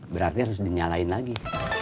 berarti harus dinyalain lagi